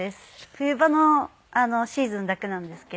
冬場のシーズンだけなんですけれども。